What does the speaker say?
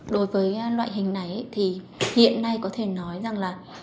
đối với loại hình này thì hiện nay có thể nói rằng là